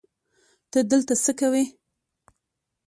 ته دلته څه کوې؟